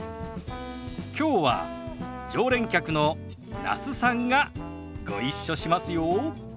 きょうは常連客の那須さんがご一緒しますよ。